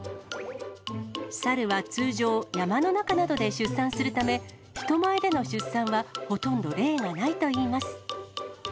サルは通常、山の中などで出産するため、人前での出産はほとんど例がないといいます。